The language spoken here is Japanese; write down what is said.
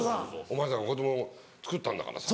お前さんが子供つくったんだからさ